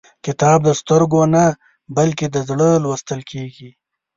کتاب د سترګو نه، بلکې د زړه لوستل کېږي.